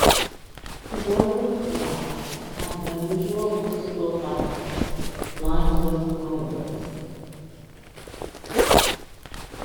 The boiler was large and had an unusual integral firebox, lined with firebricks.